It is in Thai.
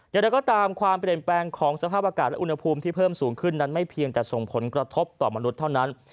อย่างไรก็ตามความเปลี่ยนแปลงของสภาพอากาศและอุณหภูมิที่เพิ่มสูงขึ้นนั้นไม่เพียงแต่ส่งผลกระทบต่อมนุษย์เท่านั้น